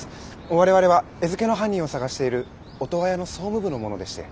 我々は餌付けの犯人を捜しているオトワヤの総務部の者でして。